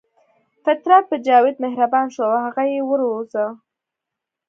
فطرت په جاوید مهربان شو او هغه یې وروزه